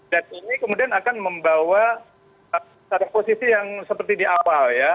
dan ini kemudian akan membawa ke posisi yang seperti di awal ya